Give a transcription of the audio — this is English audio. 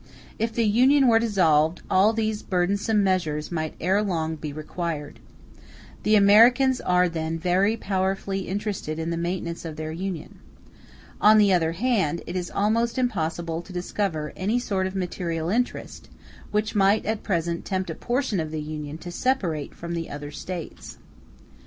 If the Union were dissolved, all these burdensome measures might ere long be required. The Americans are then very powerfully interested in the maintenance of their Union. On the other hand, it is almost impossible to discover any sort of material interest which might at present tempt a portion of the Union to separate from the other States.